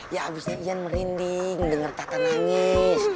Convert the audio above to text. ya abisnya ian merinding dengar tata nangis